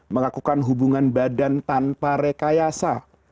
melakukan hubungan badan tanpa rekayasa